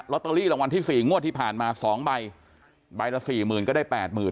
รอตเตอรี่รางวัลที่๔งวดที่ผ่านมา๒ใบใบละ๔๐๐๐๐ก็ได้๘๐๐๐๐